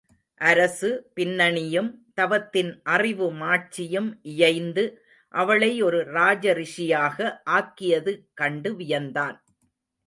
அரசு பின்னணியும், தவத்தின் அறிவு மாட்சியும் இயைந்து அவளை ஒரு ராஜரிஷியாக ஆக்கியது கண்டு வியந்தான்.